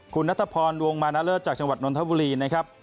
คุณนัทพรวงมานาเลิศจากจังหวัดนทบุรีนะครับ